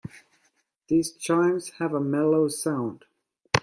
These chimes have a mellow sound.